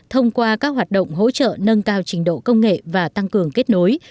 thông qua các hoạt động hỗ trợ nâng cao trình độ công nghệ và tăng cường kết nối